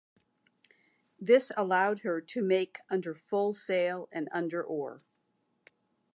This allowed her to make under full sail and under oar.